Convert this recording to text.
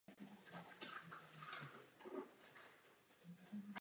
Dokud nebude existovat perspektiva do budoucnosti, zemře ještě více lidí.